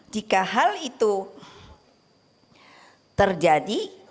jika hal itu terjadi